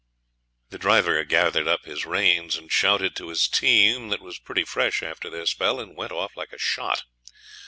The driver gathered up his reins and shouted to his team, that was pretty fresh after their spell, and went off like a shot.